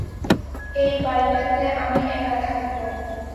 এই বাড়িটাতে আমি একা থাকব।